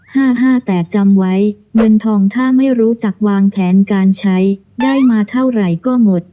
ห้าห้าแต่จำไว้เงินทองถ้าไม่รู้จักวางแผนการใช้ได้มาเท่าไหร่ก็หมด